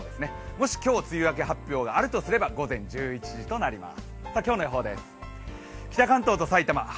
もし今日、梅雨明け発表があるとすれば午前１１時となります。